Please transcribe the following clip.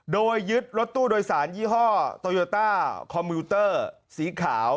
โดยยึดรถตู้โดยสารยี่ห้อโตโยต้าคอมมิวเตอร์สีขาว